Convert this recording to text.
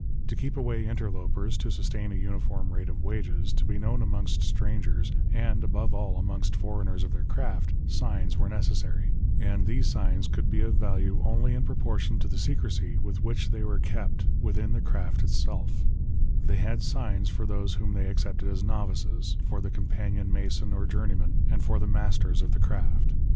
To keep away interlopers, to sustain a uniform rate of wages, to be known amongst strangers, and, above all, amongst foreigners of their craft, signs were necessary 5 and these signs could be of value only in proportion to the secrecy with which they were kept within the craft itself They had signs for those whom they accepted as novices, for the companion mason or journeyman, and for the masters of the craft.